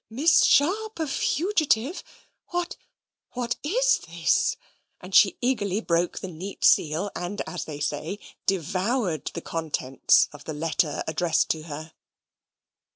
Miss Sharp a fugitive! What, what is this?" and she eagerly broke the neat seal, and, as they say, "devoured the contents" of the letter addressed to her.